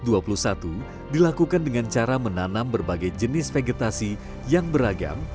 pengembangan pertanian di milepost dua puluh satu dilakukan dengan cara menanam berbagai jenis vegetasi yang beragam